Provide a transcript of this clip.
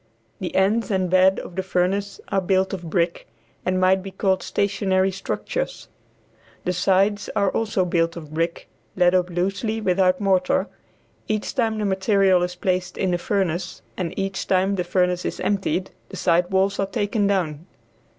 The ends and bed of the furnace are built of brick, and might be called stationary structures. The sides are also built of brick laid up loosely without mortar; each time the material is placed in the furnace, and each time the furnace is emptied, the side walls are taken down.